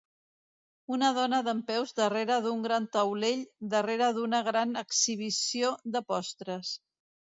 Una dona dempeus darrere d'un gran taulell darrere d'una gran exhibició de postres.